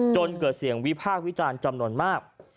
จนเกิดเสียงวิพากษ์วิจารณ์จำนวนมาก